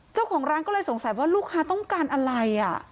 เจ้าของร้านก็เลยสงสัยว่าลูกค้าต้องการอะไร